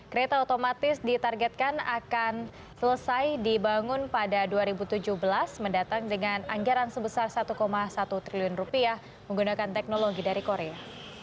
kereta otomatis ditargetkan akan selesai dibangun pada dua ribu tujuh belas mendatang dengan anggaran sebesar satu satu triliun rupiah menggunakan teknologi dari korea